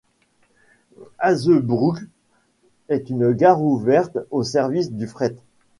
Hazebrouck est une gare ouverte au service du fret.